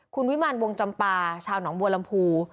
คุณวิมารวงจำปาชาวหนองบัวลำพู